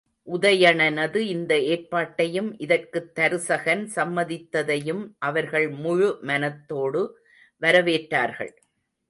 உதயணனது இந்த ஏற்பாட்டையும் இதற்குத் தருசகன் சம்மதித்ததையும் அவர்கள் முழு மனத்தோடு வரவேற்றார்கள்.